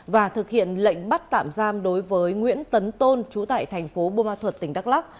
và thực hiện lệnh bắt tạm giam đối với nguyễn tấn tôn trú tại thành phố bùa ma thuật tỉnh đắk lắc